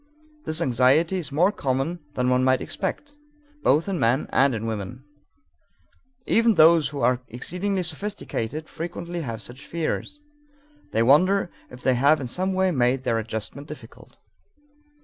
This anxiety is more common than one might expect, both in men and in women. Even those who are exceedingly sophisticated frequently have such fears. They wonder if they have in some way made their adjustment difficult.